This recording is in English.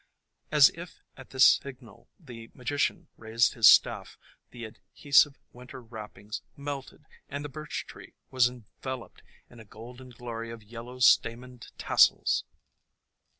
As if at this signal the Magician raised his staff, the adhesive winter wrappings melted, and the Birch tree was enveloped in a golden glory of yellow stamened tassels!